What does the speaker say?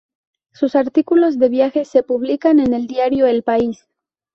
Sus artículos de viajes se publican en el diario "El País".